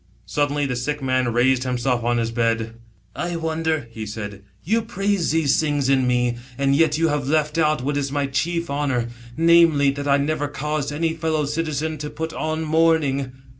Suddenly the sick man raised himself on his bed. " I wonder," he said, " you praise these things in me, and yet you have left out what is my chief honour namely, that I never caused any fellow citizen to put on mourning."